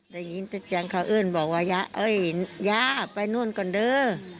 ได้ยินจันทร์ฌาวอื่นบอกว่าย้าไปโน่นก่อนเดอร์